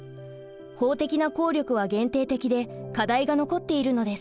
法的な効力は限定的で課題が残っているのです。